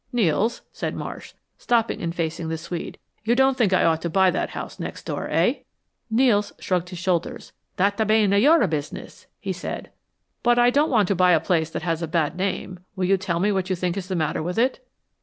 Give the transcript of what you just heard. "Nels," said Marsh, stopping and facing the Swede, "you don't think I ought to buy that house next door, eh?" Nels shrugged his shoulders. "Dat bane your bes'ness," he said. "But I don't want to buy a place that has a bad name. Will you tell me what you think is the matter with it?"